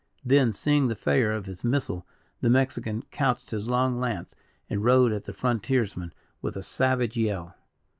Then, seeing the failure of his missile, the Mexican couched his long lance and rode at the frontiers man with a savage yell.